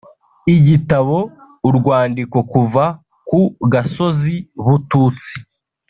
Igitabo 'Urwandiko kuva ku gasozi Bututsi'